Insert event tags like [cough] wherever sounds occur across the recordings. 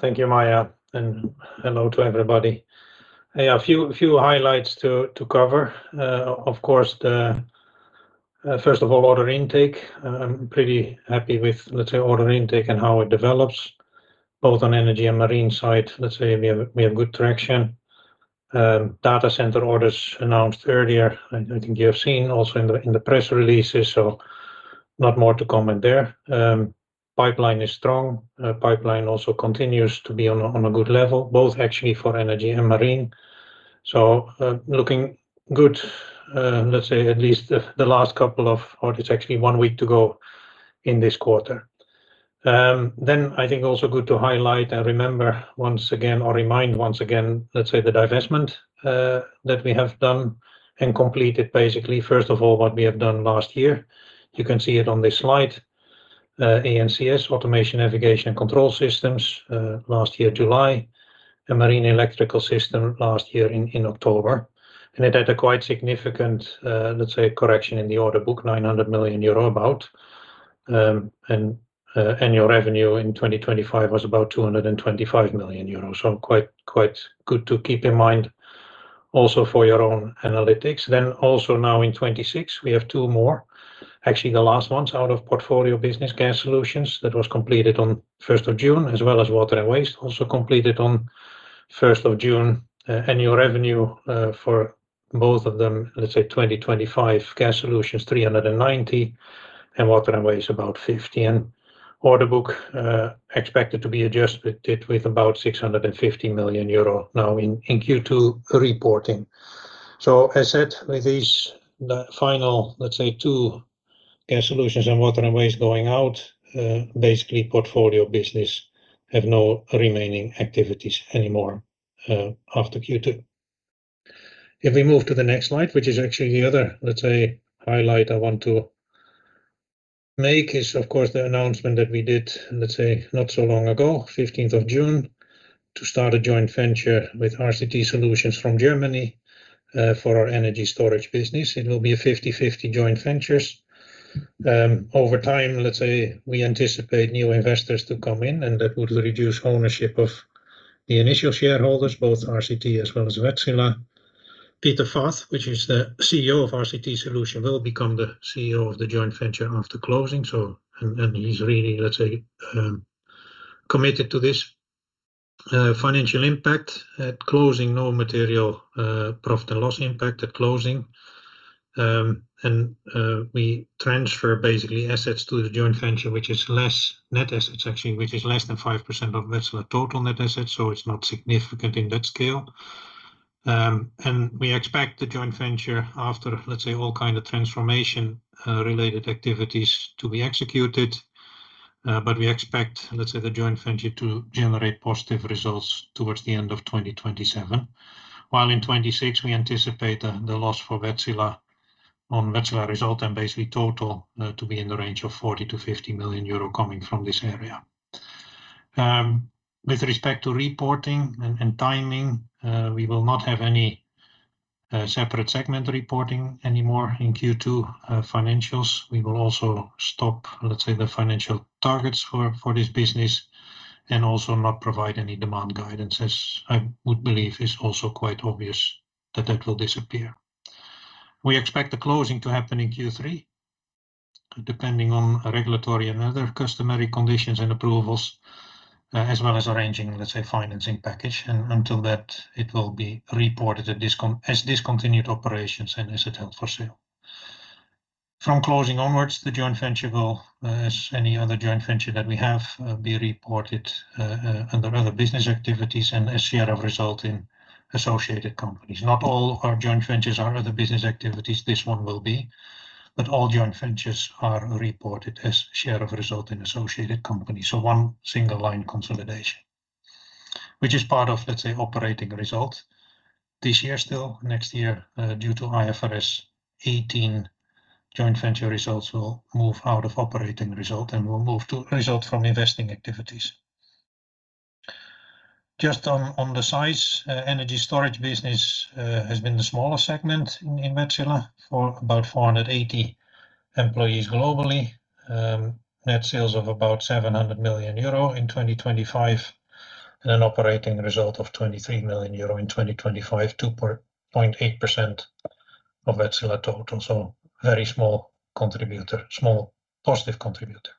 Thank you, Maija, and hello to everybody. A few highlights to cover. First of all, order intake. I'm pretty happy with order intake and how it develops, both on Energy and Marine side. We have good traction. Data center orders announced earlier. I think you have seen also in the press releases, so not more to comment there. Pipeline is strong. Pipeline also continues to be on a good level, both actually for Energy and Marine. Looking good, at least the last couple of. It's actually one week to go in this quarter. I think also good to highlight and remember once again or remind once again, let's say, the divestment that we have done and completed, basically, first of all, what we have done last year. You can see it on this slide. ANCS, Automation, Navigation and Control Systems, last year, July, a Marine Electrical Systems last year in October. It had a quite significant correction in the order book, 900 million euro about. Annual revenue in 2025 was about 225 million euro. Quite good to keep in mind also for your own analytics. Also now in 2026, we have two more. Actually, the last ones out of portfolio business Gas Solutions that was completed on 1st of June, as well as Water & Waste, also completed on 1st of June. Annual revenue for both of them, let's say, 2025 Gas Solutions 390 million, and Water & Waste about 50 million. Order book expected to be adjusted with about 650 million euro now in Q2 reporting. As said, with these final two Gas Solutions and Water & Waste going out, basically portfolio business have no remaining activities anymore after Q2. If we move to the next slide, which is actually the other highlight I want to make is, of course, the announcement that we did, not so long ago, 15th of June, to start a joint venture with RCT Solutions from Germany for our Energy Storage business. It will be a 50/50 joint ventures. Over time, we anticipate new investors to come in, and that would reduce ownership of the initial shareholders, both RCT as well as Wärtsilä. Peter Fath, which is the CEO of RCT Solutions, will become the CEO of the joint venture after closing. He's really committed to this. Financial impact. At closing, no material profit and loss impact at closing. We transfer basically assets to the joint venture, which is less net assets actually, which is less than 5% of Wärtsilä total net assets. It's not significant in that scale. We expect the joint venture after all kind of transformation-related activities to be executed. We expect the joint venture to generate positive results towards the end of 2027. While in 2026, we anticipate the loss for Wärtsilä on Wärtsilä result and basically total to be in the range of 40 million-50 million euro coming from this area. With respect to reporting and timing, we will not have any separate segment reporting anymore in Q2 financials. We will also stop the financial targets for this business and also not provide any demand guidance, as I would believe is also quite obvious that that will disappear. We expect the closing to happen in Q3, depending on regulatory and other customary conditions and approvals, as well as arranging financing package. Until that, it will be reported as discontinued operations and as held for sale. From closing onwards, the joint venture will, as any other joint venture that we have, be reported under other business activities and as share of result in associated companies. Not all our joint ventures are other business activities. This one will be. All joint ventures are reported as share of result in associated companies. One single line consolidation. Which is part of operating result this year still. Next year, due to IFRS 18, joint venture results will move out of operating result and will move to result from investing activities. Just on the size, Energy Storage business has been the smaller segment in Wärtsilä for about 480 employees globally. Net sales of about 700 million euro in 2025, and an operating result of 23 million euro in 2025, 2.8% of Wärtsilä total. Very small positive contributor.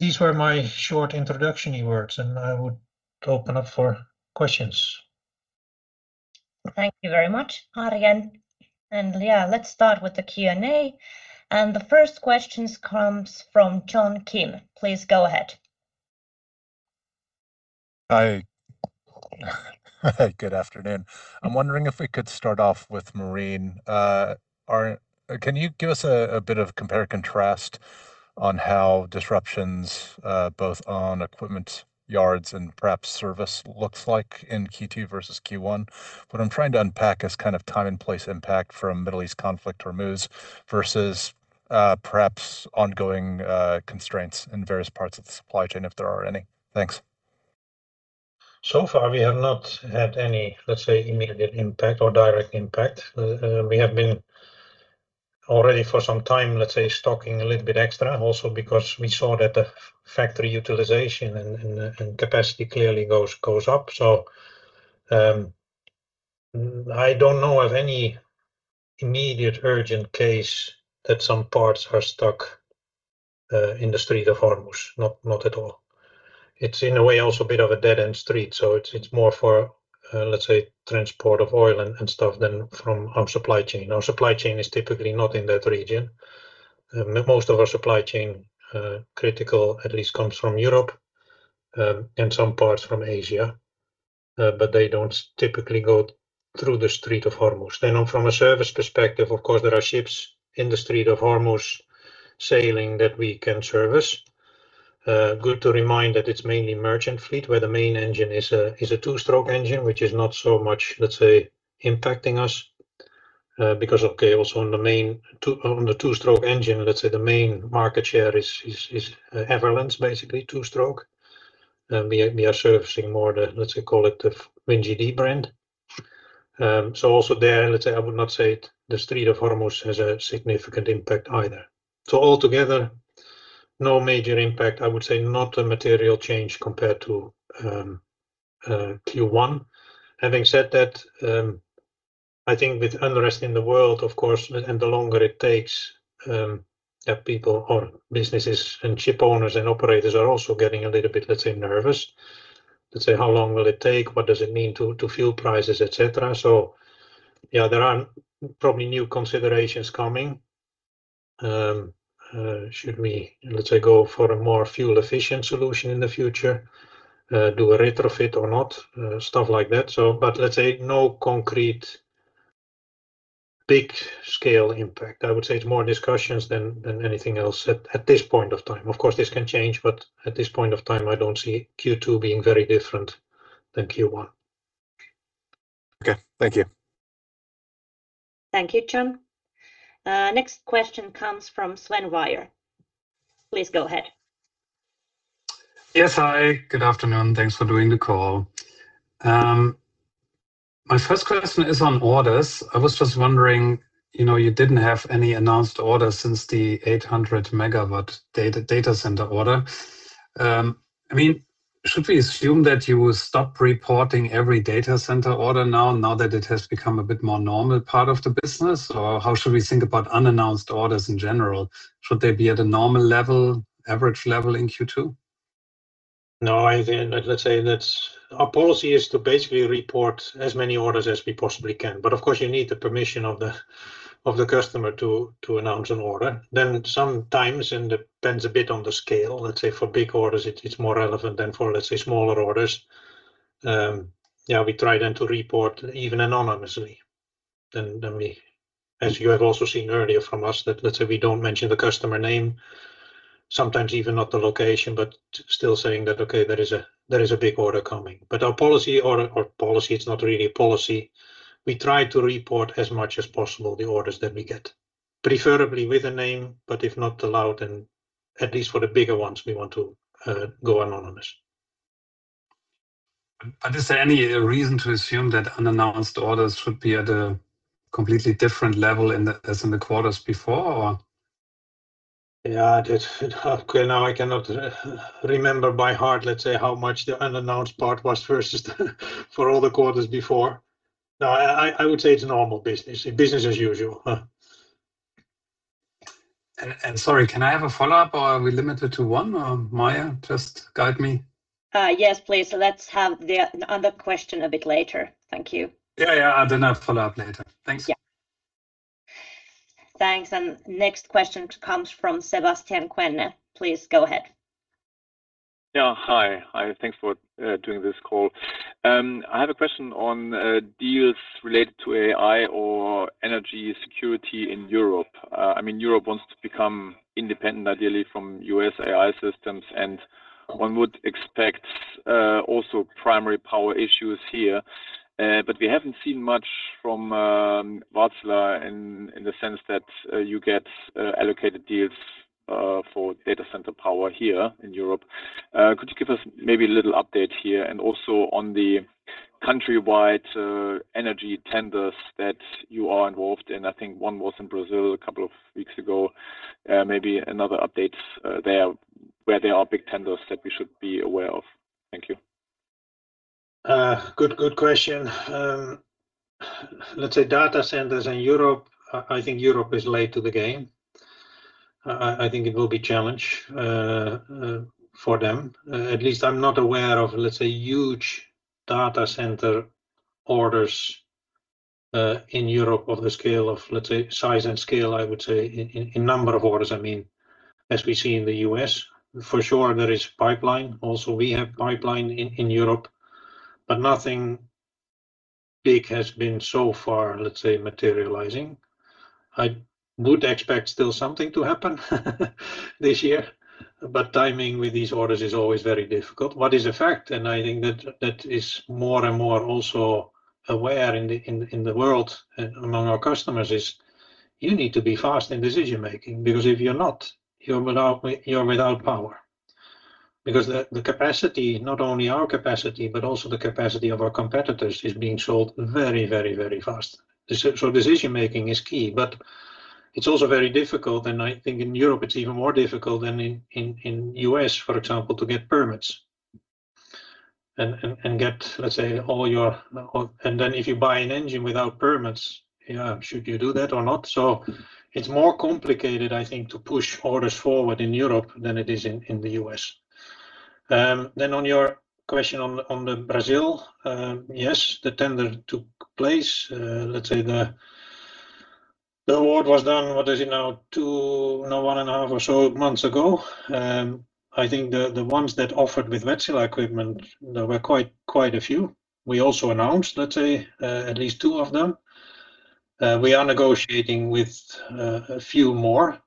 These were my short introduction words, and I would open up for questions. Thank you very much, Arjen. Yeah, let's start with the Q&A. The first questions comes from John Kim. Please go ahead. Hi. Good afternoon. I am wondering if we could start off with Marine. Can you give us a bit of compare and contrast on how disruptions both on equipment yards and perhaps service looks like in Q2 versus Q1? What I am trying to unpack is time and place impact from Middle East conflict removes versus perhaps ongoing constraints in various parts of the supply chain, if there are any. Thanks. We have not had any, let's say, immediate impact or direct impact. We have been already for some time, let's say, stocking a little bit extra also because we saw that the factory utilization and capacity clearly goes up. I don't know of any immediate urgent case that some parts are stuck in the Strait of Hormuz, not at all. It's in a way also a bit of a dead-end street. It's more for, let's say, transport of oil and stuff than from our supply chain. Our supply chain is typically not in that region. Most of our supply chain, critical at least, comes from Europe, and some parts from Asia. They don't typically go through the Strait of Hormuz. From a service perspective, of course, there are ships in the Strait of Hormuz sailing that we can service. Good to remind that it's mainly merchant fleet, where the main engine is a two-stroke engine, which is not so much, let's say, impacting us. Because, okay, also on the two-stroke engine, let's say the main market share is Everllence, basically two-stroke. We are servicing more the, let's say, call it the WinGD brand. Also there, let's say, I would not say the Strait of Hormuz has a significant impact either. Altogether, no major impact, I would say not a material change compared to Q1. Having said that, I think with unrest in the world, of course, and the longer it takes, people or businesses and ship owners and operators are also getting a little bit, let's say, nervous. How long will it take? What does it mean to fuel prices, et cetera? Yeah, there are probably new considerations coming. Should we, let's say, go for a more fuel-efficient solution in the future? Do a retrofit or not? Stuff like that. Let's say no concrete big-scale impact. I would say it's more discussions than anything else at this point of time. Of course, this can change, but at this point of time, I don't see Q2 being very different than Q1. Okay. Thank you. Thank you, John. Next question comes from Sven Weier. Please go ahead. Yes, hi. Good afternoon. Thanks for doing the call. My first question is on orders. I was just wondering, you didn't have any announced orders since the 800-MW data center order. Should we assume that you will stop reporting every data center order now that it has become a bit more normal part of the business? Or how should we think about unannounced orders in general? Should they be at a normal level, average level in Q2? No. Our policy is to basically report as many orders as we possibly can. Of course, you need the permission of the customer to announce an order. Sometimes, and depends a bit on the scale, let's say for big orders, it's more relevant than for, let's say, smaller orders. We try then to report even anonymously. As you have also seen earlier from us that, let's say, we don't mention the customer name, sometimes even not the location, but still saying that, okay, there is a big order coming. Our policy, it's not really a policy. We try to report as much as possible the orders that we get. Preferably with a name, but if not allowed, then at least for the bigger ones, we want to go anonymous. Is there any reason to assume that unannounced orders should be at a completely different level as in the quarters before? Yeah. Okay, now I cannot remember by heart, let's say, how much the unannounced part was first for all the quarters before. I would say it's a normal business. Business as usual. Sorry, can I have a follow-up, or are we limited to one, or Maija, just guide me? Yes, please. Let's have the other question a bit later. Thank you. Yeah. I'll follow up later. Thanks. Next question comes from Sebastian Kuenne. Please go ahead. Yeah. Hi. Thanks for doing this call. I have a question on deals related to AI or Energy security in Europe. Europe wants to become independent, ideally from U.S. AI systems, and one would expect also primary power issues here. We haven't seen much from Wärtsilä in the sense that you get allocated deals for data center power here in Europe. Could you give us maybe a little update here and also on the countrywide energy tenders that you are involved in? I think one was in Brazil a couple of weeks ago. Maybe another update there where there are big tenders that we should be aware of. Thank you. Good question. Let's say data centers in Europe, I think Europe is late to the game. I think it will be challenge for them. At least I'm not aware of, let's say, huge data center orders in Europe of the scale of, let's say, size and scale, I would say, in number of orders, as we see in the U.S. For sure there is pipeline also. We have pipeline in Europe. Nothing big has been so far, let's say, materializing. I would expect still something to happen this year. Timing with these orders is always very difficult. What is a fact, and I think that that is more and more also aware in the world and among our customers is you need to be fast in decision-making, because if you're not, you're without power. Because the capacity, not only our capacity, but also the capacity of our competitors, is being sold very fast. Decision-making is key. It's also very difficult. I think in Europe it's even more difficult than in U.S., for example, to get permits. If you buy an engine without permits, should you do that or not? It's more complicated, I think, to push orders forward in Europe than it is in the U.S. On your question on the Brazil, yes, the tender took place. Let's say the award was done, what is it now, 1.5 months or so months ago. I think the ones that offered with Wärtsilä equipment, there were quite a few. We also announced, let's say, at least two of them. We are negotiating with a few more.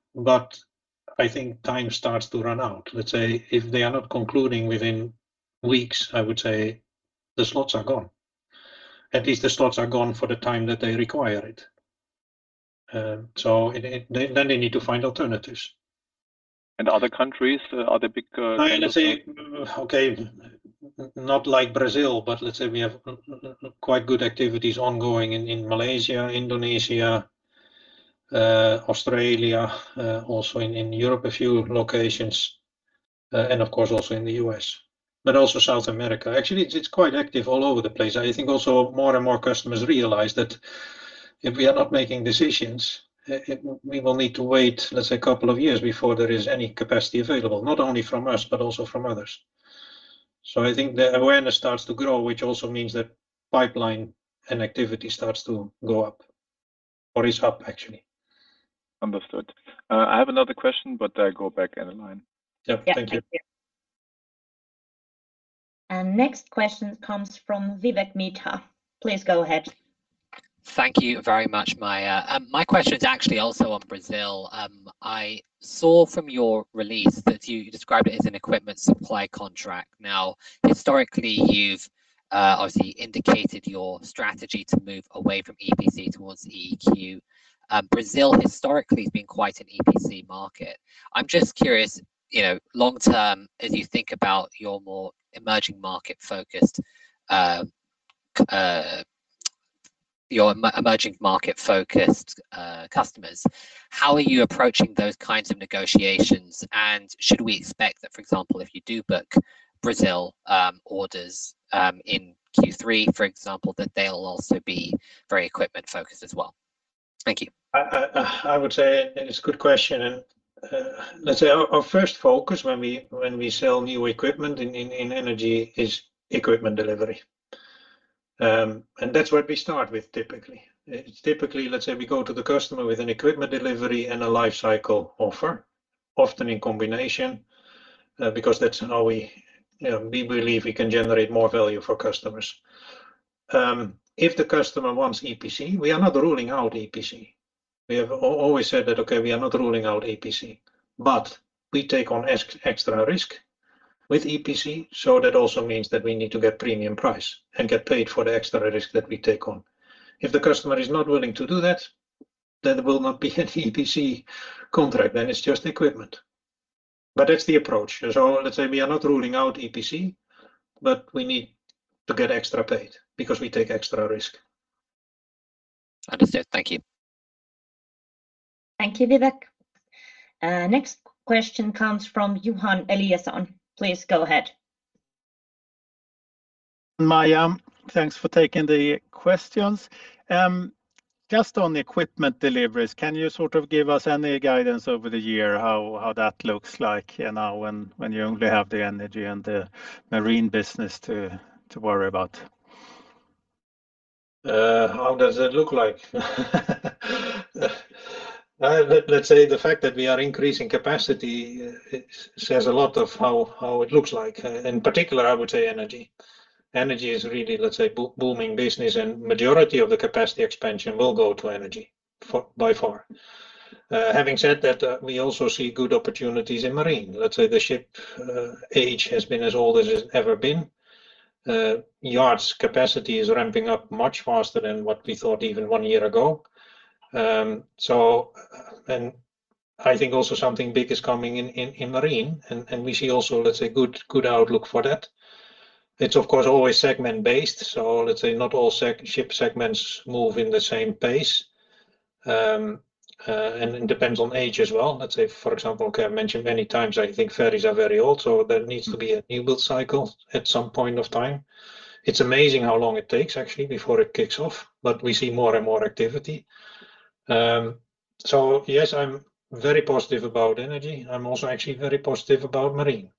I think time starts to run out. If they are not concluding within weeks, I would say the slots are gone. At least the slots are gone for the time that they require it. They need to find alternatives. Other countries, are there big customers? Not like Brazil, we have quite good activities ongoing in Malaysia, Indonesia, Australia, also in Europe, a few locations, and of course also in the U.S., also South America. Actually, it's quite active all over the place. I think also more and more customers realize that if we are not making decisions, we will need to wait a couple of years before there is any capacity available, not only from us, but also from others. I think the awareness starts to grow, which also means that pipeline and activity starts to go up or is up, actually. Understood. I have another question, I go back end of line. Yeah. Thank you. Yeah. Thank you. Next question comes from Vivek Midha. Please go ahead. Thank you very much, Maija. My question is actually also on Brazil. I saw from your release that you described it as an equipment supply contract. Historically, you've obviously indicated your strategy to move away from EPC towards EEQ. Brazil historically has been quite an EPC market. I'm just curious, long term, as you think about your more emerging market-focused customers, how are you approaching those kinds of negotiations? Should we expect that, for example, if you do book Brazil orders in Q3, for example, that they'll also be very equipment-focused as well? Thank you. I would say it is a good question. Let's say our first focus when we sell new equipment in Energy is equipment delivery. That's what we start with typically. It's typically, let's say, we go to the customer with an equipment delivery and a life cycle offer, often in combination, because that's how we believe we can generate more value for customers. If the customer wants EPC, we are not ruling out EPC. We have always said that, okay, we are not ruling out EPC, but we take on extra risk with EPC, so that also means that we need to get premium price and get paid for the extra risk that we take on. If the customer is not willing to do that, then there will not be an EPC contract, then it's just equipment. That's the approach. Let's say we are not ruling out EPC, but we need to get extra paid because we take extra risk. Understood. Thank you. Thank you, Vivek. Next question comes from Johan Eliason. Please go ahead. Maija, thanks for taking the questions. On the equipment deliveries, can you sort of give us any guidance over the year how that looks like now when you only have the Energy and the Marine business to worry about? How does it look like? Let's say the fact that we are increasing capacity, it says a lot of how it looks like. In particular, I would say energy. Energy is really, let's say, booming business, and majority of the capacity expansion will go to energy, by far. Having said that, we also see good opportunities in Marine. Let's say the ship age has been as old as it's ever been. Yards capacity is ramping up much faster than what we thought even one year ago. I think also something big is coming in Marine, and we see also, let's say, good outlook for that. It's of course always segment-based. Let's say not all ship segments move in the same pace. It depends on age as well. Let's say, for example, I've mentioned many times, I think ferries are very old, so there needs to be a new build cycle at some point of time. It's amazing how long it takes actually before it kicks off, but we see more and more activity. Yes, I'm very positive about Energy. I'm also actually very positive about Marine.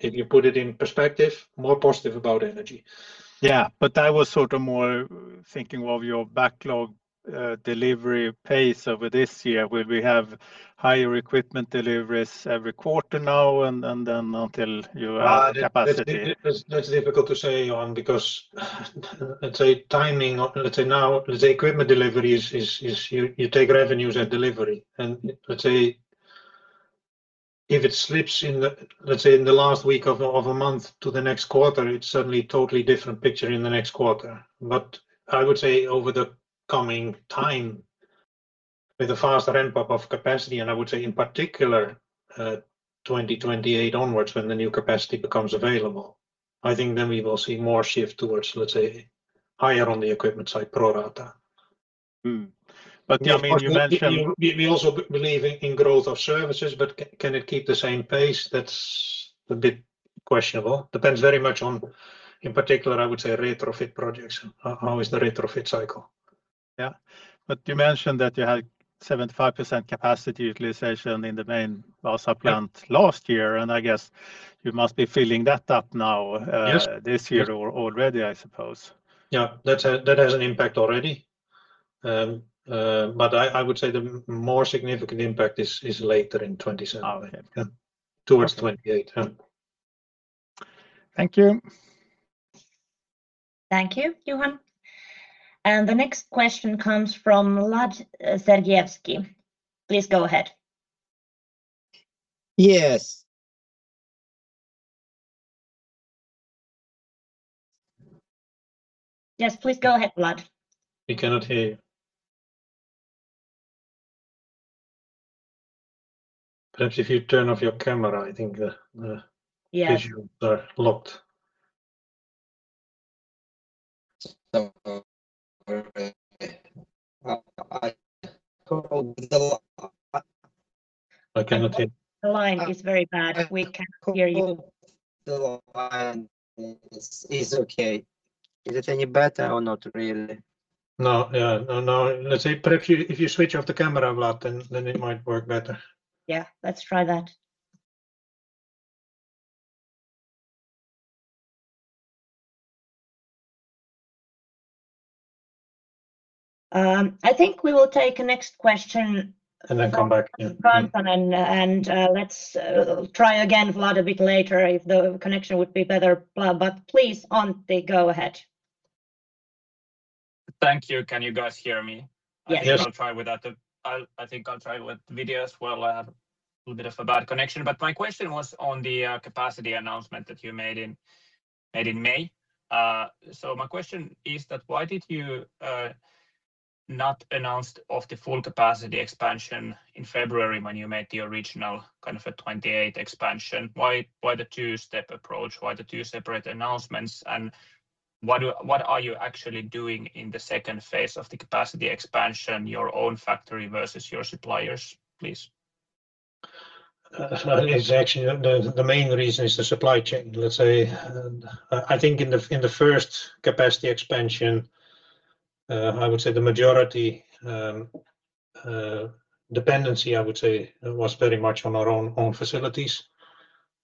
If you put it in perspective, more positive about Energy. Yeah. I was sort of more thinking of your backlog delivery pace over this year. Will we have higher equipment deliveries every quarter now and then until you have the capacity? That's difficult to say, Johan, because let's say timing, let's say now, let's say equipment deliveries is you take revenues at delivery. Let's say if it slips in, let's say, in the last week of a month to the next quarter, it's suddenly a totally different picture in the next quarter. I would say over the coming time, with a faster end pop of capacity, and I would say in particular, 2028 onwards, when the new capacity becomes available, I think then we will see more shift towards higher on the equipment side pro rata. Mm-hmm. you mentioned- We also believe in growth of services, can it keep the same pace? That's a bit questionable. Depends very much on, in particular, I would say retrofit projects. How is the retrofit cycle? Yeah. you mentioned that you had 75% capacity utilization in the main Vaasa plant last year, I guess you must be filling that up now- Yes. This year already, I suppose. Yeah. That has an impact already. I would say the more significant impact is later in 2027. Okay. Towards 2028. Thank you. Thank you, Johan. The next question comes from Vlad Sergievskii. Please go ahead. Yes. Yes, please go ahead, Vlad. We cannot hear you. Perhaps if you turn off your camera, I think- Yeah. Visuals are locked. [audio distortion] I cannot hear. The line is very bad. We can't hear you. The line is okay. Is it any better or not really? No. If you switch off the camera, Vlad, then it might work better. Yeah. Let's try that. I think we will take a next question. Then come back. Let's try again, Vlad, a bit later if the connection would be better. Please, Antti, go ahead. Thank you. Can you guys hear me? Yes. I think I'll try with video as well. I have a little bit of a bad connection. My question was on the capacity announcement that you made in May. My question is that why did you not announce of the full capacity expansion in February when you made the original 2028 expansion? Why the two-step approach? Why the two separate announcements? What are you actually doing in the second phase of the capacity expansion, your own factory versus your suppliers, please? The main reason is the supply chain. I think in the first capacity expansion, I would say the majority dependency was very much on our own facilities.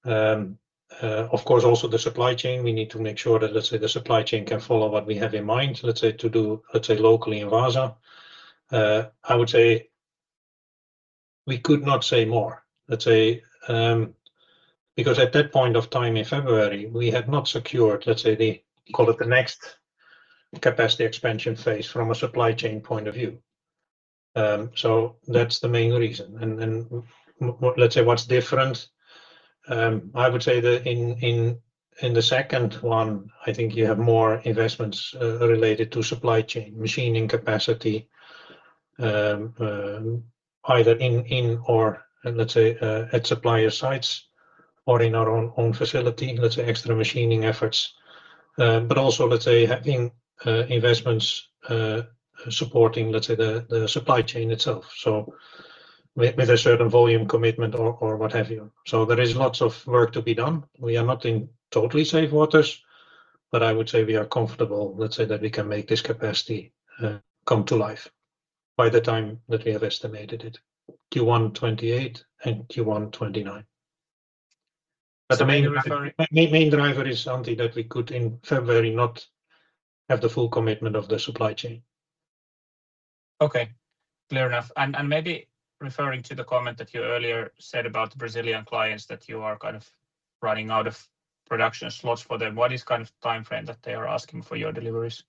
Of course, also the supply chain, we need to make sure that the supply chain can follow what we have in mind to do locally in Vaasa. I would say we could not say more. At that point of time in February, we had not secured the next capacity expansion phase from a supply chain point of view. That's the main reason. What's different? I would say that in the second one, I think you have more investments related to supply chain, machining capacity, either in or at supplier sites or in our own facility, let's say extra machining efforts. Also having investments supporting the supply chain itself. With a certain volume commitment or what have you. There is lots of work to be done. We are not in totally safe waters, but I would say we are comfortable that we can make this capacity come to life by the time that we have estimated it, Q1 2028 and Q1 2029. That's amazing. Main driver is something that we could in February not have the full commitment of the supply chain. Okay. Clear enough. Maybe referring to the comment that you earlier said about Brazilian clients, that you are running out of production slots for them, what is timeframe that they are asking for your deliveries?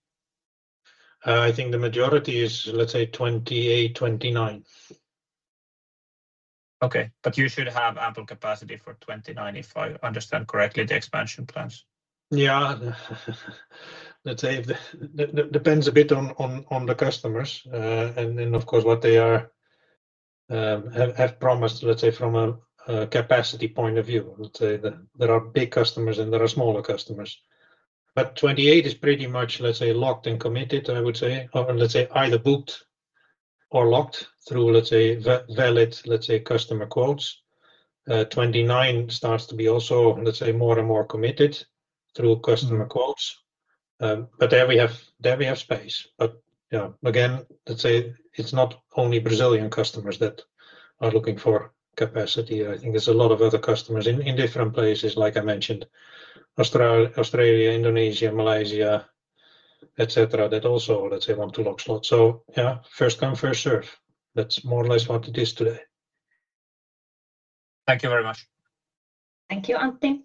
I think the majority is 2028, 2029. Okay. You should have ample capacity for 2029, if I understand correctly, the expansion plans. Depends a bit on the customers. Of course, what they have promised from a capacity point of view. There are big customers and there are smaller customers. 2028 is pretty much locked and committed, I would say, or either booked or locked through valid customer quotes. 2029 starts to be also more and more committed through customer quotes. There we have space. Again, it's not only Brazilian customers that are looking for capacity. I think there's a lot of other customers in different places, like I mentioned, Australia, Indonesia, Malaysia, et cetera, that also want to lock slots. First-come, first-served. That's more or less what it is today. Thank you very much. Thank you, Antti.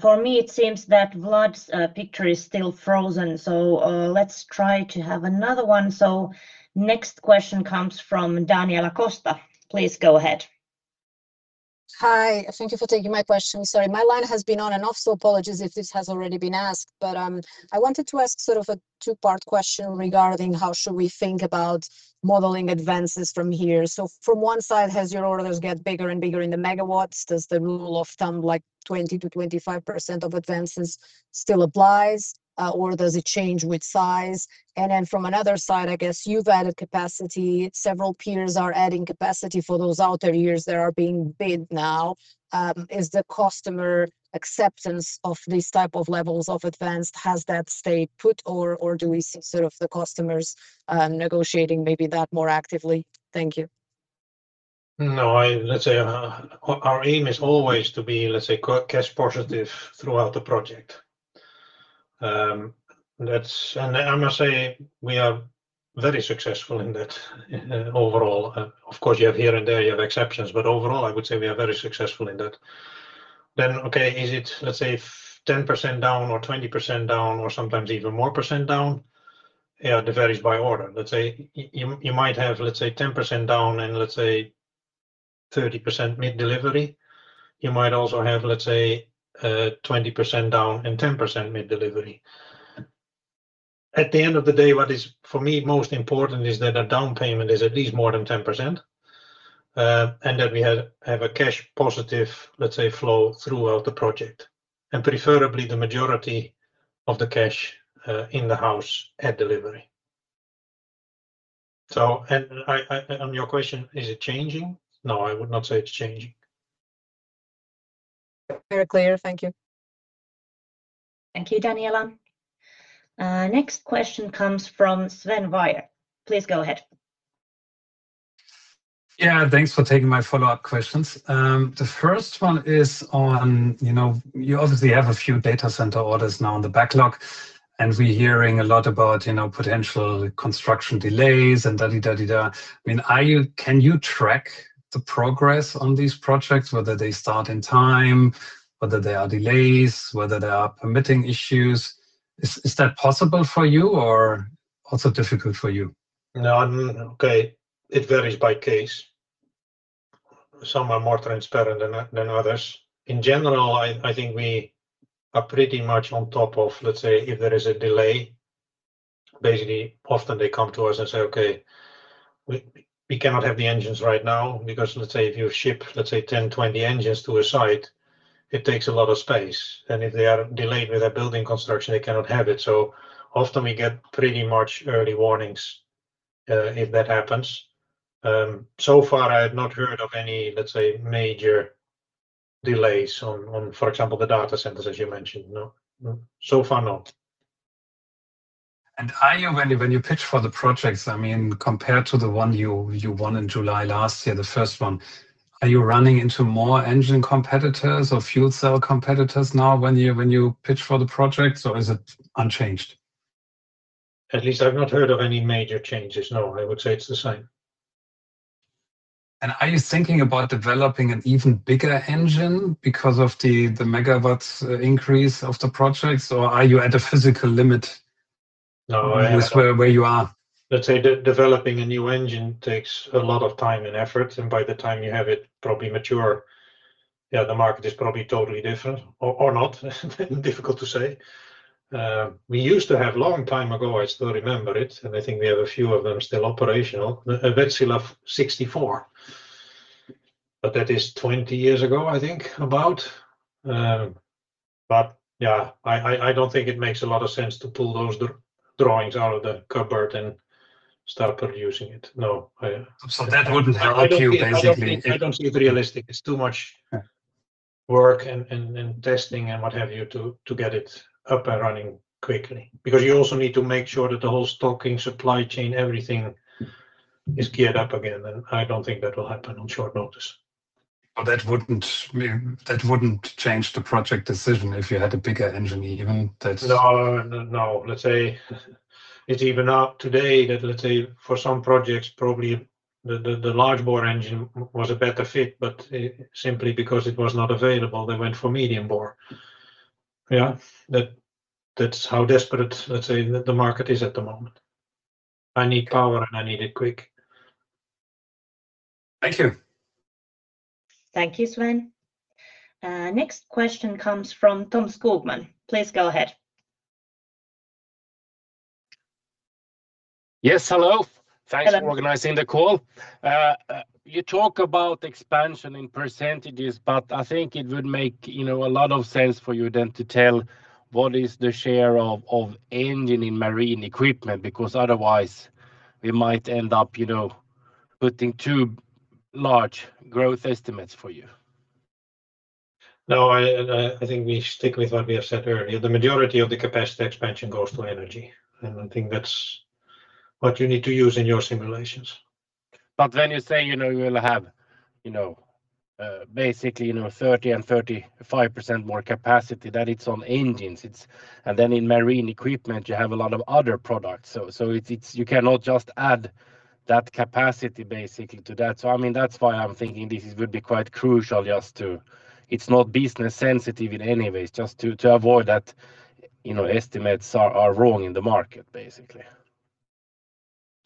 For me, it seems that Vlad's picture is still frozen, so let's try to have another one. Next question comes from Daniela Costa. Please go ahead. Hi. Thank you for taking my question. Sorry, my line has been on and off, so apologies if this has already been asked. I wanted to ask a two-part question regarding how should we think about modeling advances from here. From one side, as your orders get bigger and bigger in the megawatts, does the rule of thumb, like 20%-25% of advances still applies, or does it change with size? From another side, I guess you've added capacity. Several peers are adding capacity for those outer years that are being bid now. Is the customer acceptance of these type of levels of advanced, has that stayed put or do we see the customers negotiating maybe that more actively? Thank you. No. Let's say our aim is always to be cash positive throughout the project. I must say, we are very successful in that overall. Of course, you have here and there you have exceptions, but overall, I would say we are very successful in that. Okay, is it 10% down or 20% down or sometimes even more percent down? Yeah, it varies by order. You might have, let's say, 10% down and 30% mid delivery. You might also have, let's say, 20% down and 10% mid delivery. At the end of the day, what is, for me, most important is that a down payment is at least more than 10%, and that we have a cash positive flow throughout the project, and preferably the majority of the cash in the house at delivery. On your question, is it changing? No, I would not say it's changing. Very clear. Thank you. Thank you, Daniela. Next question comes from Sven Weier. Please go ahead. Thanks for taking my follow-up questions. The first one is on, you obviously have a few data center orders now in the backlog. We're hearing a lot about potential construction delays and da-di-da-di-da. Can you track the progress on these projects, whether they start in time, whether there are delays, whether there are permitting issues? Is that possible for you or also difficult for you? No. Okay. It varies by case. Some are more transparent than others. In general, I think we are pretty much on top of, let's say, if there is a delay. Basically, often they come to us and say, "Okay, we cannot have the engines right now," because let's say if you ship, let's say 10 engines, 20 engines to a site, it takes a lot of space, and if they are delayed with their building construction, they cannot have it. Often we get pretty much early warnings if that happens. So far, I have not heard of any major delays on, for example, the data centers as you mentioned. No. So far not. When you pitch for the projects, compared to the one you won in July last year, the first one, are you running into more engine competitors or fuel cell competitors now when you pitch for the projects, or is it unchanged? At least I've not heard of any major changes, no. I would say it's the same. Are you thinking about developing an even bigger engine because of the megawatts increase of the projects, or are you at a physical limit- No. Where you are? Let's say developing a new engine takes a lot of time and effort, and by the time you have it probably mature, yeah, the market is probably totally different or not difficult to say. We used to have long time ago, I still remember it, and I think we have a few of them still operational, the Wärtsilä 64. That is 20 years ago, I think about. Yeah, I don't think it makes a lot of sense to pull those drawings out of the cupboard and start producing it, no. That wouldn't help you, basically. I don't see it realistic. It's too much work and testing and what have you to get it up and running quickly. You also need to make sure that the whole stocking supply chain, everything is geared up again, and I don't think that will happen on short notice. That wouldn't change the project decision if you had a bigger engine even. That's- No. Let's say it's even now today that for some projects, probably the large bore engine was a better fit, but simply because it was not available, they went for medium bore. Yeah. That's how desperate the market is at the moment. I need power, and I need it quick. Thank you. Thank you, Sven. Next question comes from Tom Skogman. Please go ahead. Yes, hello. Hello. Thanks for organizing the call. You talk about expansion in percentages, I think it would make a lot of sense for you then to tell what is the share of engine in Marine equipment, because otherwise we might end up putting too large growth estimates for you. I think we stick with what we have said earlier. The majority of the capacity expansion goes to energy, I think that's what you need to use in your simulations. When you say you will have basically 30% and 35% more capacity that it's on engines. Then in Marine equipment, you have a lot of other products. You cannot just add that capacity basically to that. That's why I'm thinking this would be quite crucial, it's not business sensitive in any way, just to avoid that estimates are wrong in the market, basically.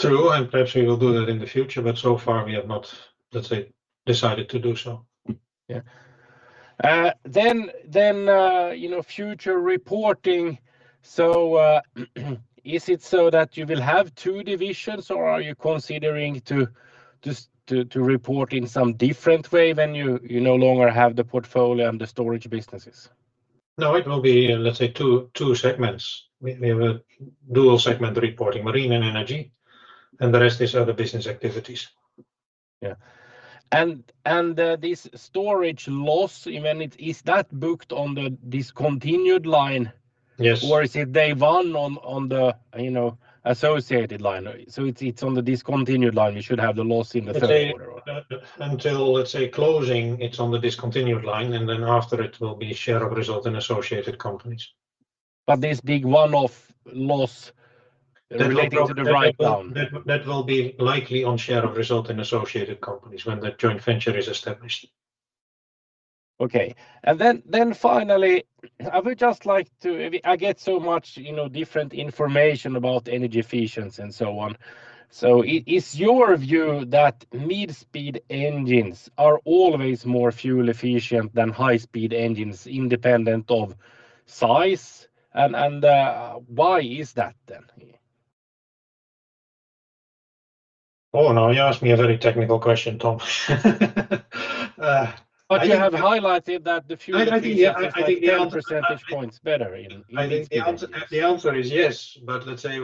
True, perhaps we will do that in the future, so far, we have not decided to do so. Yeah. Future reporting. Is it so that you will have two divisions, or are you considering to just report in some different way when you no longer have the portfolio and the storage businesses? No, it will be, let's say, two segments. We have a dual segment reporting, Marine and Energy, and the rest is other business activities. Yeah. This storage loss, is that booked on the discontinued line? Yes. Is it day one on the associated line? It's on the discontinued line. You should have the loss in the third quarter. Until, let's say, closing, it's on the discontinued line, and then after it will be share of result in associated companies. This big one-off loss relating to the write-down. That will be likely on share of result in associated companies when the joint venture is established. Finally, I get so much different information about Energy efficiency and so on. Is your view that mid-speed engines are always more fuel efficient than high-speed engines, independent of size? Why is that then? Now you asked me a very technical question, Tom. You have highlighted that the fuel efficiency is like 10 percentage points better in these engines. I think the answer is yes. Let's say,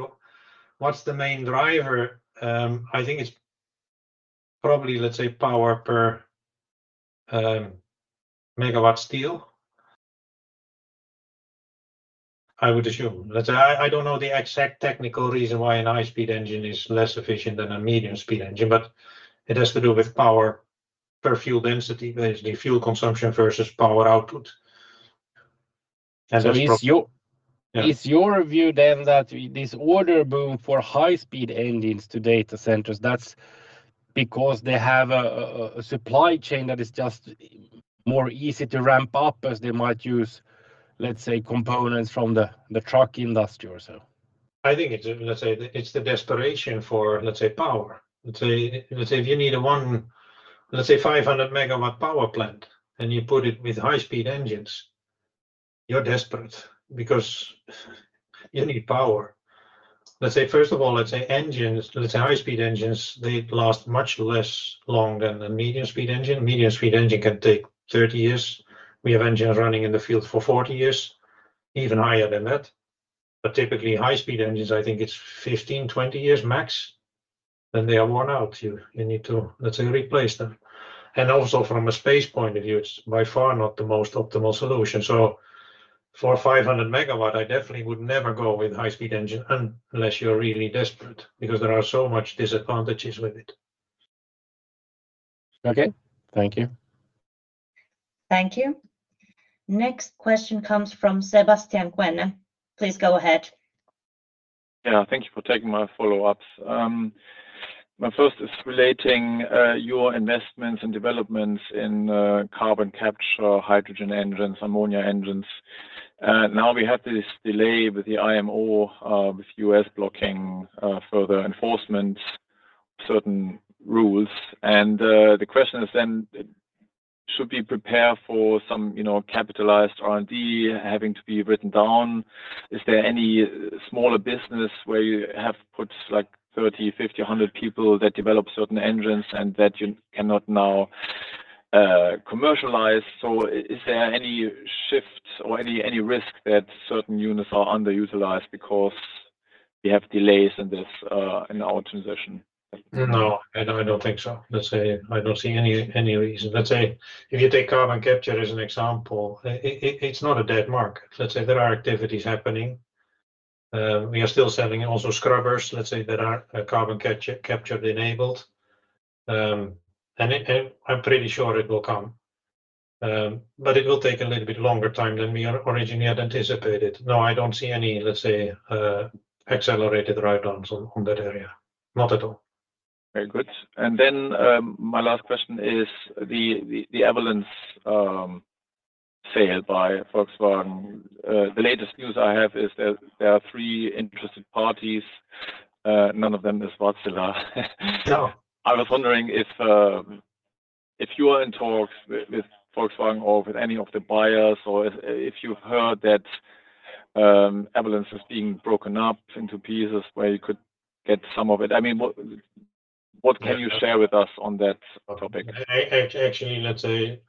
what's the main driver? I think it's probably power per megawatts deal, I would assume. I don't know the exact technical reason why a high-speed engine is less efficient than a medium-speed engine. It has to do with power per fuel density, basically fuel consumption versus power output. That's probably. It's your view then that this order boom for high-speed engines to data centers, that's because they have a supply chain that is just more easy to ramp up as they might use, let's say, components from the truck industry or so? I think it's the desperation for power. Let's say if you need a 500 MW power plant and you put it with high-speed engines, you're desperate because you need power. First of all, let's say high-speed engines, they last much less long than a medium-speed engine. Medium-speed engine can take 30 years. We have engines running in the field for 40 years, even higher than that. Typically, high-speed engines, I think it's 15 years, 20 years max, then they are worn out. You need to replace them. Also from a space point of view, it's by far not the most optimal solution. For 500 MW, I definitely would never go with high-speed engine unless you're really desperate because there are so much disadvantages with it. Okay. Thank you. Thank you. Next question comes from Sebastian Kuenne. Please go ahead. Yeah. Thank you for taking my follow-ups. My first is relating your investments and developments in carbon capture, hydrogen engines, ammonia engines. Now we have this delay with the IMO, with U.S. blocking further enforcement of certain rules. The question is then, should we prepare for some capitalized R&D having to be written down? Is there any smaller business where you have put 30 people, 50 people, 100 people that develop certain engines and that you cannot now commercialize? Is there any shift or any risk that certain units are underutilized because we have delays in our transition? No, I don't think so. I don't see any reason. If you take carbon capture as an example, it's not a dead market. There are activities happening. We are still selling also scrubbers that are carbon capture enabled. I'm pretty sure it will come. It will take a little bit longer time than we originally had anticipated. No, I don't see any accelerated write-downs on that area. Not at all. Very good. My last question is the Everllence sale by Volkswagen. The latest news I have is that there are three interested parties. None of them is Wärtsilä. No. I was wondering if you are in talks with Volkswagen or with any of the buyers, or if you heard that Everllence is being broken up into pieces where you could get some of it? What can you share with us on that topic? Actually, let's say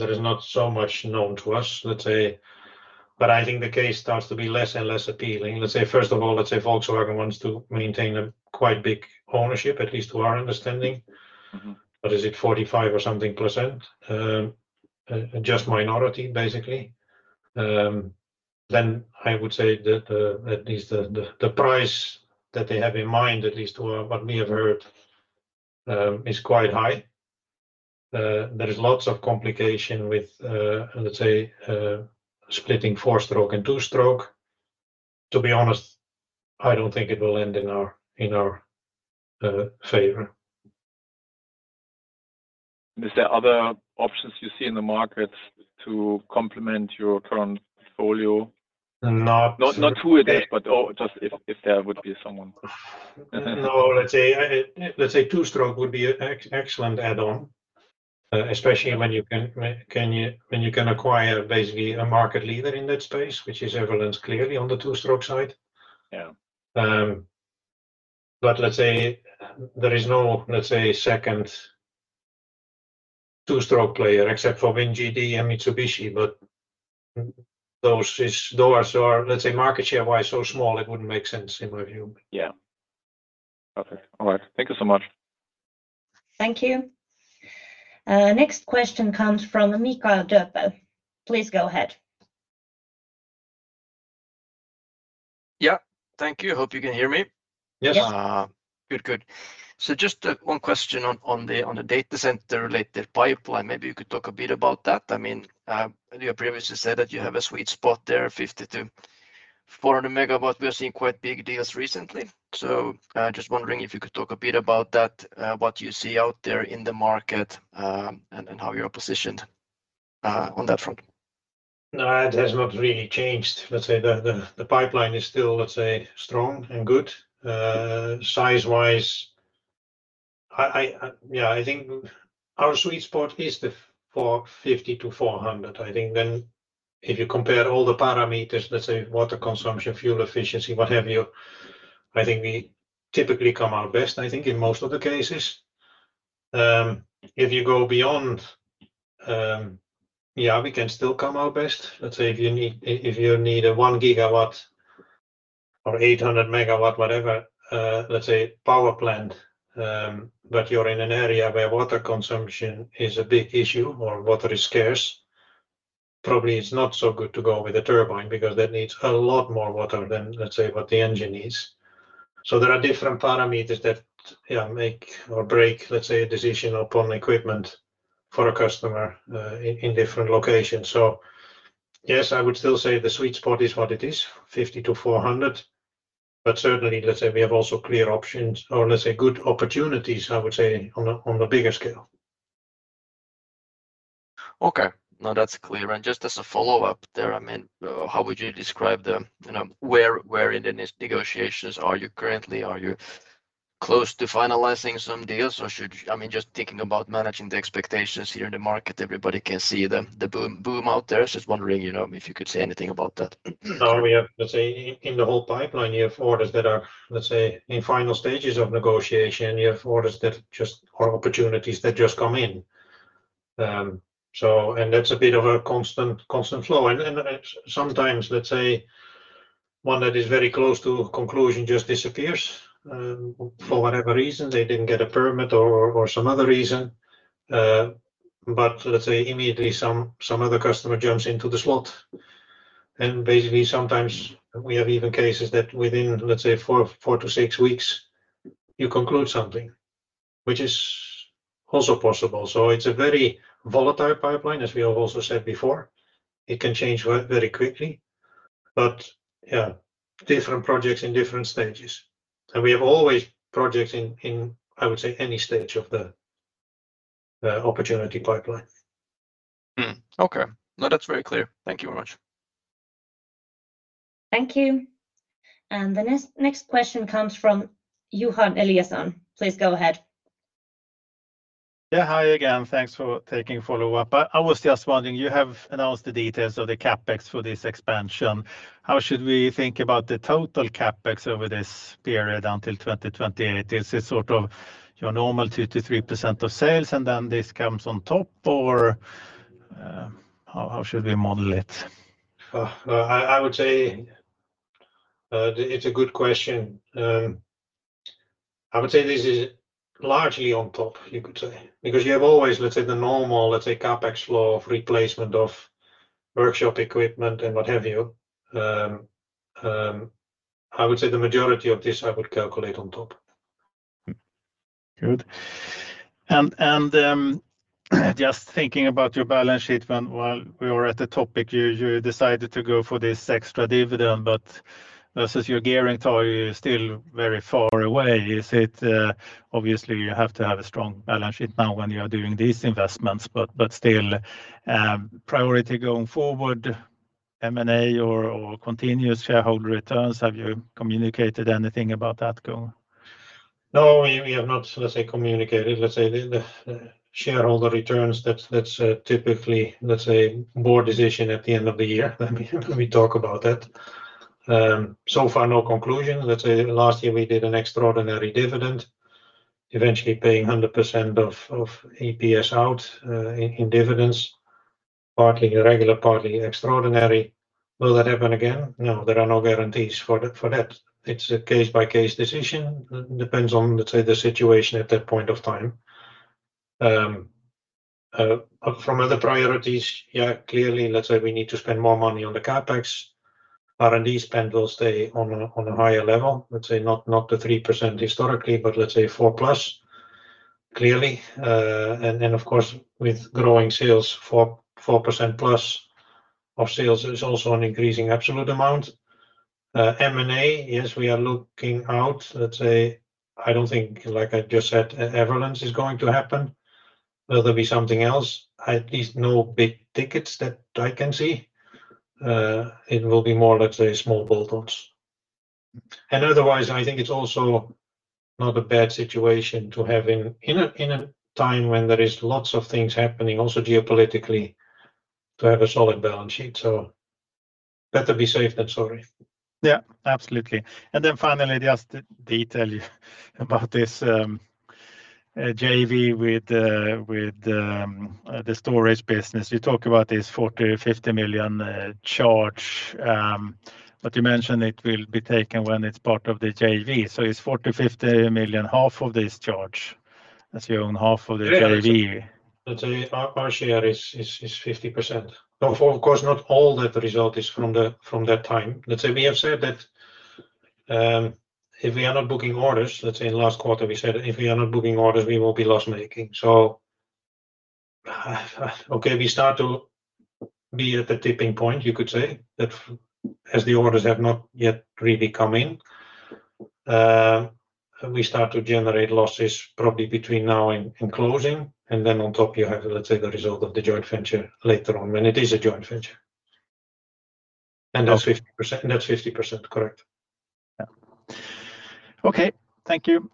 there is not so much known to us. I think the case starts to be less and less appealing. First of all, let's say Volkswagen wants to maintain a quite big ownership, at least to our understanding. What is it, 45% or something? Just minority, basically. I would say at least the price that they have in mind, at least what we have heard is quite high. There is lots of complication with, let's say, splitting four-stroke and two-stroke. To be honest, I don't think it will end in our favor. Is there other options you see in the market to complement your current portfolio? Not who it is, just if there would be someone? Let's say two-stroke would be an excellent add-on, especially when you can acquire basically a market leader in that space, which is Everllence clearly on the two-stroke side. Yeah. Let's say there is no second two-stroke player except for WinGD and Mitsubishi. Those are, let's say, market share-wise, so small it wouldn't make sense in my view. Yeah. Okay. All right. Thank you so much. Thank you. Next question comes from Mikael Doepel. Please go ahead. Yeah. Thank you. Hope you can hear me. Yes. Yes. Good. Just one question on the data center related pipeline, maybe you could talk a bit about that. You previously said that you have a sweet spot there, 50 MW-400 MW. Just wondering if you could talk a bit about that, what you see out there in the market, and how you're positioned on that front. No, it has not really changed. Let's say the pipeline is still strong and good, size-wise. I think our sweet spot is the 450 MW-400 MW. I think then if you compare all the parameters let's say water consumption, fuel efficiency, what have you, I think we typically come out best, I think in most of the cases. If you go beyond, yeah, we can still come out best. Let's say if you need a 1 GW or 800 MW, whatever, let's say power plant, but you're in an area where water consumption is a big issue or water is scarce, probably it's not so good to go with a turbine because that needs a lot more water than, let's say, what the engine is. There are different parameters that make or break a decision upon equipment for a customer, in different locations. Yes, I would still say the sweet spot is what it is, 50 MW-400 MW, but certainly, let's say we have also clear options or, let's say good opportunities, I would say on a bigger scale. Okay. No, that's clear. Just as a follow-up there, how would you describe where in the negotiations are you currently? Are you close to finalizing some deals? Just thinking about managing the expectations here in the market. Everybody can see the boom out there. Just wondering, if you could say anything about that. We have, let's say, in the whole pipeline you have orders that are in final stages of negotiation. You have orders that just, or opportunities that just come in. That's a bit of a constant flow. Sometimes let's say one that is very close to conclusion just disappears, for whatever reason, they didn't get a permit or some other reason. Let's say immediately some other customer jumps into the slot and basically sometimes we have even cases that within, let's say four weeks-six weeks, you conclude something, which is also possible. It's a very volatile pipeline, as we have also said before. It can change very quickly, but different projects in different stages. We have always projects in, I would say, any stage of the opportunity pipeline. Okay. No, that's very clear. Thank you very much. Thank you. The next question comes from Johan Eliason. Please go ahead. Yeah. Hi again. Thanks for taking follow-up. I was just wondering, you have announced the details of the CapEx for this expansion. How should we think about the total CapEx over this period until 2028? Is it sort of your normal 2%-3% of sales and then this comes on top or how should we model it? I would say it's a good question. I would say this is largely on top you could say, because you have always, let's say the normal, let's say CapEx law of replacement of workshop equipment and what have you. I would say the majority of this I would calculate on top. Good. Just thinking about your balance sheet when, while we were at the topic you decided to go for this extra dividend, versus your gearing target, you're still very far away. Is it obviously you have to have a strong balance sheet now when you are doing these investments, still, priority going forward, M&A or continuous shareholder returns. Have you communicated anything about that going? No, we have not, let's say communicated, let's say the shareholder returns, that's typically, let's say board decision at the end of the year when we talk about that. So far, no conclusion. Let's say last year we did an extraordinary dividend eventually paying 100% of EPS out, in dividends, partly regular, partly extraordinary. Will that happen again? No, there are no guarantees for that. It's a case-by-case decision. Depends on, let's say, the situation at that point of time From other priorities, clearly, let's say we need to spend more money on the CapEx. R&D spend will stay on a higher level, let's say not the 3% historically, but let's say 4%+ clearly. Then of course, with growing sales, 4%+ of sales is also an increasing absolute amount. M&A, yes, we are looking out. I don't think, like I just said, Everllence is going to happen. Will there be something else? At least no big tickets that I can see. It will be more, let's say, small bolt-ons. Otherwise, I think it's also not a bad situation to have in a time when there is lots of things happening also geopolitically, to have a solid balance sheet. Better be safe than sorry. Yeah, absolutely. Then finally, just the detail about this JV with the storage business. You talk about this 40 million-50 million charge, but you mentioned it will be taken when it's part of the JV. It's 40 million-50 million, half of this charge, as you own half of the JV. Let's say our share is 50%. Of course not all that result is from that time. Let's say we have said that if we are not booking orders, let's say in last quarter, we said if we are not booking orders, we will be loss-making. Okay, we start to be at the tipping point, you could say. That as the orders have not yet really come in, we start to generate losses probably between now and closing. Then on top you have, let's say, the result of the joint venture later on when it is a joint venture. That's 50%, correct. Yeah. Okay. Thank you.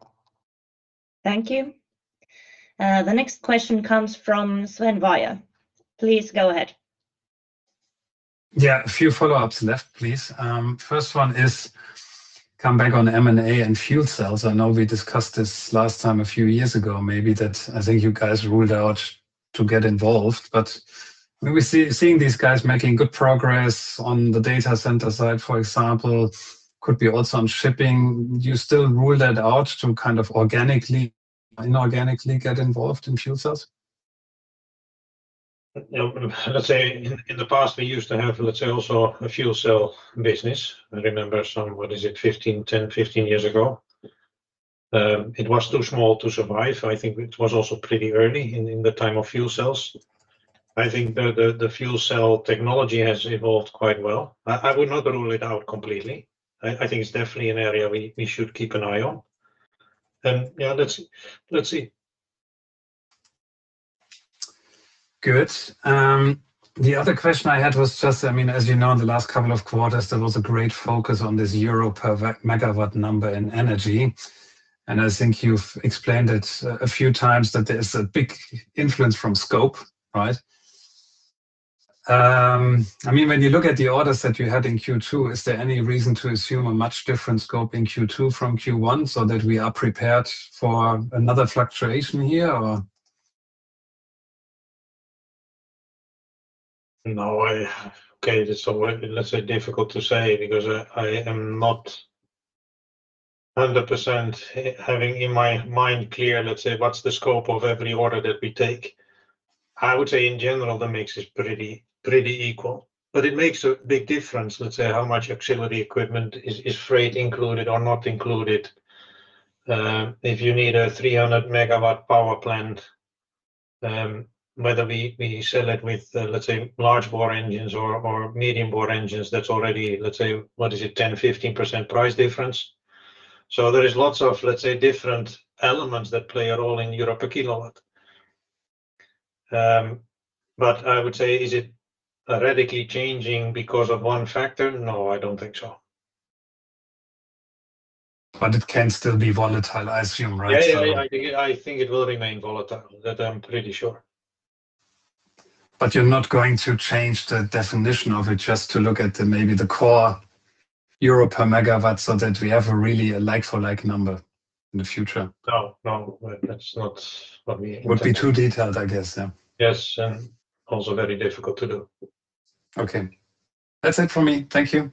Thank you. The next question comes from Sven Weier. Please go ahead. Yeah, a few follow-ups left, please. First one is come back on M&A and fuel cells. I know we discussed this last time a few years ago, maybe that I think you guys ruled out to get involved, when we're seeing these guys making good progress on the data center side, for example, could be also on shipping. You still rule that out to organically and inorganically get involved in fuel cells? Let's say in the past, we used to have, let's say, also a fuel cell business. I remember some, what is it, 10 years, 15 years ago? It was too small to survive. I think it was also pretty early in the time of fuel cells. I think the fuel cell technology has evolved quite well. I would not rule it out completely. I think it's definitely an area we should keep an eye on. Yeah, let's see. Good. The other question I had was just, as you know, in the last couple of quarters, there was a great focus on this Euro per megawatt number in Energy, I think you've explained it a few times that there's a big influence from scope, right? When you look at the orders that you had in Q2, is there any reason to assume a much different scope in Q2 from Q1 so that we are prepared for another fluctuation here? No. Okay, difficult to say because I am not 100% having in my mind clear, let's say what's the scope of every order that we take. I would say in general, the mix is pretty equal, but it makes a big difference, let's say how much auxiliary equipment, is freight included or not included. If you need a 300-MW power plant, whether we sell it with, let's say, large bore engines or medium bore engines, that's already, let's say, what is it, 10%-15% price difference. There is lots of, let's say, different elements that play a role in Euro per kilowatt. I would say, is it radically changing because of one factor? No, I don't think so. It can still be volatile, I assume, right? Yeah. I think it will remain volatile, that I'm pretty sure. You're not going to change the definition of it just to look at maybe the core Euro per megawatt so that we have a really a like for like number in the future? No, that's not what we- Would be too detailed, I guess? [inaudible] Yes. Also very difficult to do. Okay. That's it for me. Thank you.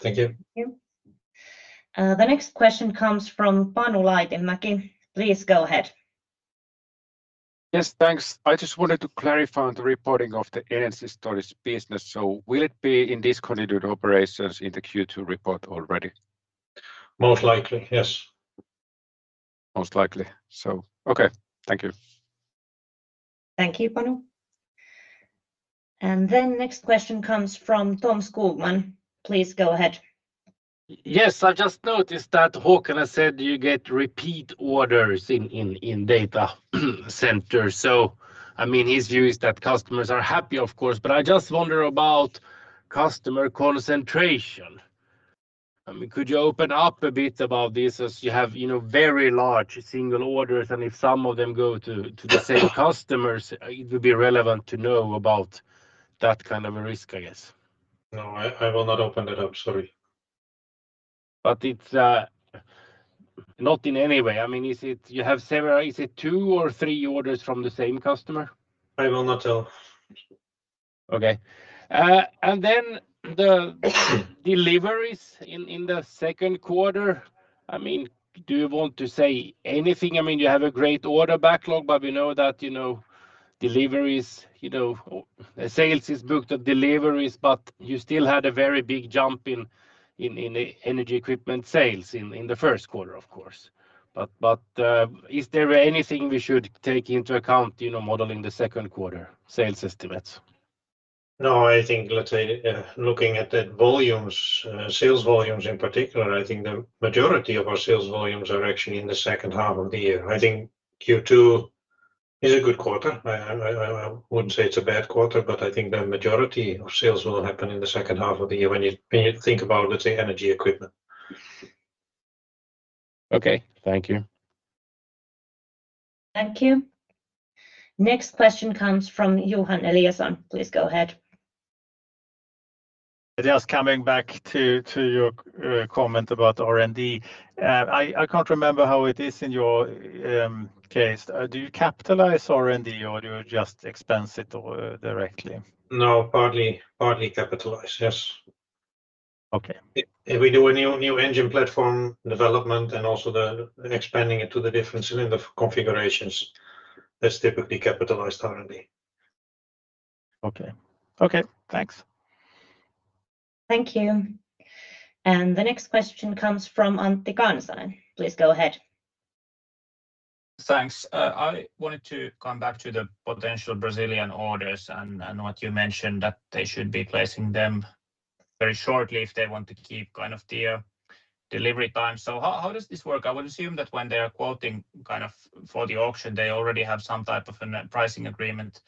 Thank you. Thank you. The next question comes from Panu Laitinmäki. Please go ahead. Yes, thanks. I just wanted to clarify on the reporting of the Energy Storage business. Will it be in discontinued operations in the Q2 report already? Most likely, yes. Most likely. Okay. Thank you. Thank you, Panu. Next question comes from Tom Skogman. Please go ahead. Yes. I just noticed that Håkan has said you get repeat orders in data center. His view is that customers are happy, of course, but I just wonder about customer concentration. Could you open up a bit about this as you have very large single orders and if some of them go to the same customers, it would be relevant to know about that kind of a risk, I guess. No, I will not open that up. Sorry. It's not in any way. You have several, is it two or three orders from the same customer? I will not tell. Okay. The deliveries in the second quarter, do you want to say anything? You have a great order backlog, but we know that sales is booked at deliveries, you still had a very big jump in Energy equipment sales in the first quarter, of course. Is there anything we should take into account modeling the second quarter sales estimates? No, I think, looking at the sales volumes in particular, I think the majority of our sales volumes are actually in the second half of the year. I think Q2 is a good quarter. I wouldn't say it's a bad quarter, but I think the majority of sales will happen in the second half of the year when you think about, let's say, Energy equipment. Okay. Thank you. Thank you. Next question comes from Johan Eliason. Please go ahead. Just coming back to your comment about R&D. I can't remember how it is in your case. Do you capitalize R&D, or do you just expense it directly? No, partly capitalized. Yes. Okay. If we do a new engine platform development and also expanding it to the different cylinder configurations, that is typically capitalized R&D. Okay. Thanks. Thank you. The next question comes from Antti Kansanen. Please go ahead. Thanks. I wanted to come back to the potential Brazilian orders and what you mentioned that they should be placing them very shortly if they want to keep kind of their delivery time. How does this work? I would assume that when they are quoting for the auction, they already have some type of a pricing agreement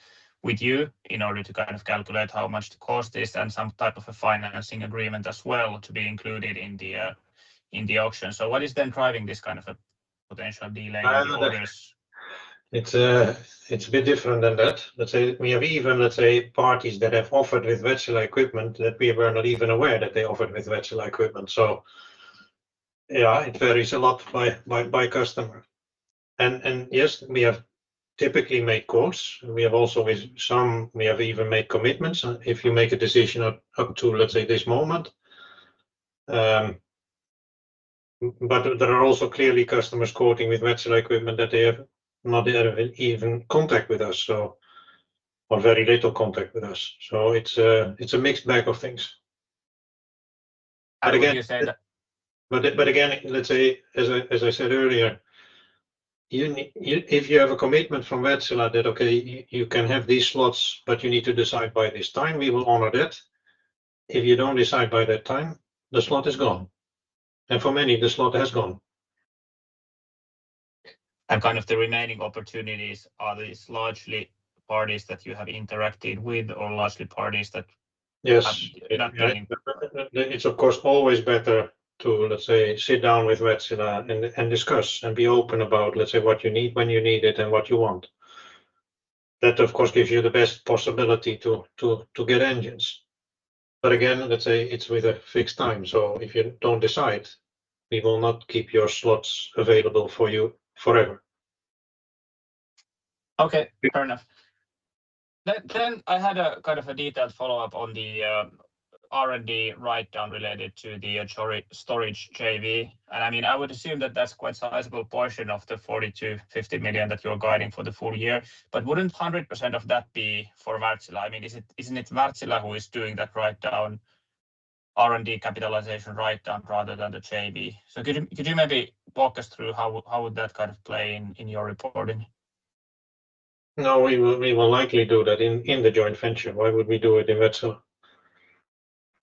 with you in order to kind of calculate how much the cost is and some type of a financing agreement as well to be included in the auction. What is then driving this kind of a potential delay in the orders? It's a bit different than that. Let's say we have even, let's say, parties that have offered with Wärtsilä equipment that we were not even aware that they offered with Wärtsilä equipment. Yeah, it varies a lot by customer. Yes, we have typically made quotes. With some, we have even made commitments if you make a decision up to, let's say, this moment. There are also clearly customers quoting with Wärtsilä equipment that they have not had even contact with us, or very little contact with us. It's a mixed bag of things. How would you say that? Again, let's say, as I said earlier, if you have a commitment from Wärtsilä that, okay, you can have these slots, but you need to decide by this time, we will honor that. If you don't decide by that time, the slot is gone. For many, the slot has gone. Kind of the remaining opportunities, are these largely parties that you have interacted with or largely parties that- Yes. [audio distortion] It's of course always better to, let's say, sit down with Wärtsilä and discuss and be open about, let's say, what you need, when you need it, and what you want. That, of course, gives you the best possibility to get engines. Again, let's say it's with a fixed time, so if you don't decide, we will not keep your slots available for you forever. Okay. Fair enough. I had a kind of a detailed follow-up on the R&D write-down related to the storage JV. I would assume that that's quite a sizable portion of the 40 million-50 million that you're guiding for the full year. Wouldn't 100% of that be for Wärtsilä? Isn't it Wärtsilä who is doing that R&D capitalization write-down rather than the JV? Could you maybe walk us through how would that kind of play in your reporting? No, we will likely do that in the joint venture. Why would we do it in Wärtsilä?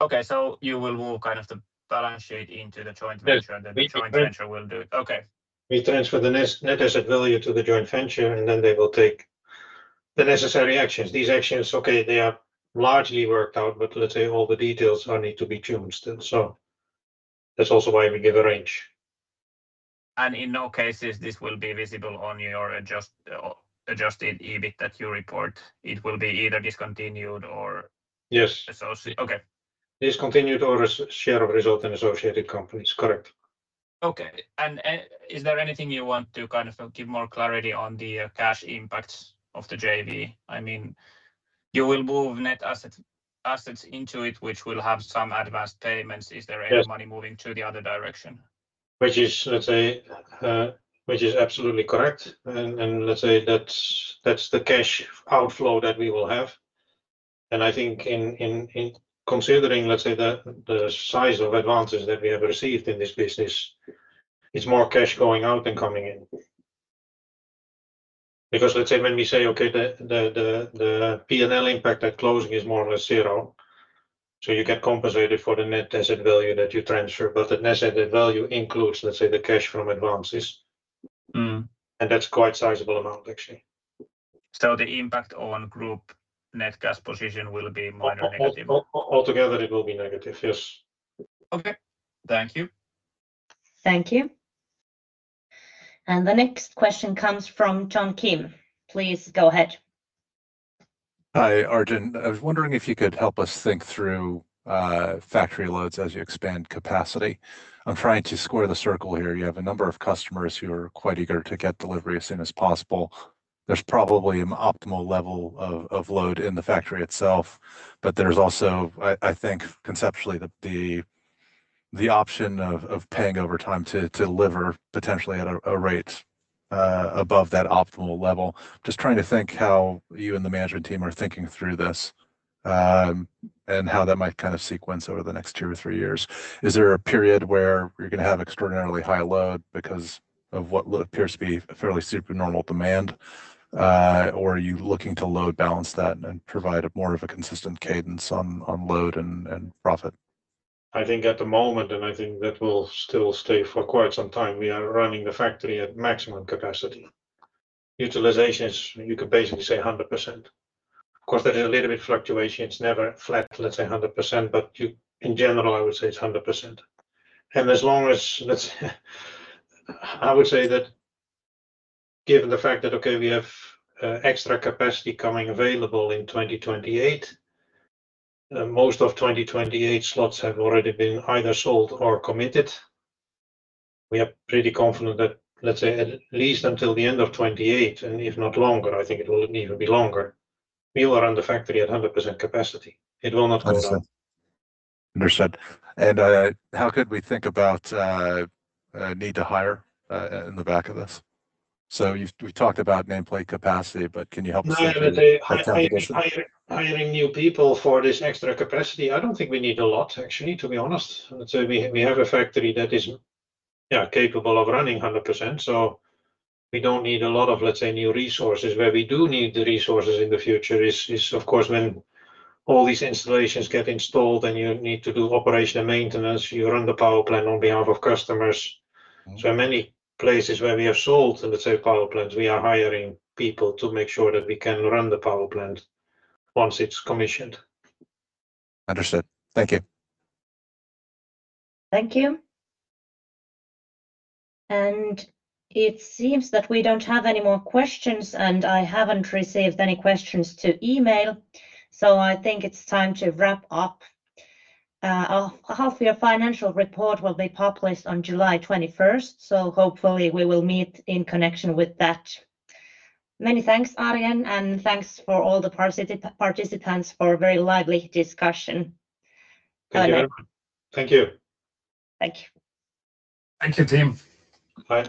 Okay. You will move kind of the balance sheet into the joint venture? Yes. Then the joint venture will do it. Okay. We transfer the net asset value to the joint venture, and then they will take the necessary actions. These actions, okay, they are largely worked out, but, let's say, all the details need to be tuned still. That's also why we give a range. In no cases, this will be visible on your adjusted EBIT that you report. It will be either discontinued or- Yes. Associated. Okay. Discontinued or a share of result in associated companies. Correct. Okay. Is there anything you want to kind of give more clarity on the cash impacts of the JV? You will move net assets into it, which will have some advanced payments. Is there- Yes. Any money moving to the other direction? Which is absolutely correct. Let's say that's the cash outflow that we will have. I think in considering, let's say, the size of advances that we have received in this business, it's more cash going out than coming in. Let's say when we say, okay, the P&L impact at closing is more or less zero, so you get compensated for the net asset value that you transfer, but the net asset value includes, let's say, the cash from advances. Mm. That's quite a sizable amount, actually. The impact on group net cash position will be minor negative? Altogether, it will be negative, yes. Okay. Thank you. Thank you. The next question comes from John Kim. Please go ahead. Hi, Arjen. I was wondering if you could help us think through factory loads as you expand capacity. I'm trying to square the circle here. You have a number of customers who are quite eager to get delivery as soon as possible. There's probably an optimal level of load in the factory itself, but there's also, I think, conceptually the option of paying overtime to deliver potentially at a rate above that optimal level. Just trying to think how you and the management team are thinking through this, and how that might sequence over the next two years-three years. Is there a period where you're going to have extraordinarily high load because of what appears to be a fairly supernormal demand, or are you looking to load balance that and provide more of a consistent cadence on load and profit? I think at the moment, and I think that will still stay for quite some time, we are running the factory at maximum capacity. Utilization is, you could basically say 100%. Of course, there is a little bit fluctuation. It's never flat, let's say 100%, but in general, I would say it's 100%. I would say that given the fact that, okay, we have extra capacity coming available in 2028, most of 2028 slots have already been either sold or committed. We are pretty confident that, let's say at least until the end of 2028, and if not longer, I think it will even be longer, we will run the factory at 100% capacity. It will not go down. Understood. How could we think about need to hire in the back of this? We talked about nameplate capacity, but can you help us think through headcount additions? Hiring new people for this extra capacity, I don't think we need a lot, actually, to be honest. We have a factory that is capable of running 100%, so we don't need a lot of, let's say, new resources. Where we do need the resources in the future is, of course, when all these installations get installed and you need to do operation and maintenance, you run the power plant on behalf of customers. Many places where we have sold, let's say, power plants, we are hiring people to make sure that we can run the power plant once it's commissioned. Understood. Thank you. Thank you. It seems that we don't have any more questions, and I haven't received any questions to email, so I think it's time to wrap up. Our half-year financial report will be published on July 21st, so hopefully we will meet in connection with that. Many thanks, Arjen, and thanks for all the participants for a very lively discussion. Bye now. Thank you. Thank you. Thank you, team. Bye